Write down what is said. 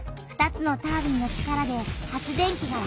２つのタービンの力で発電機が動き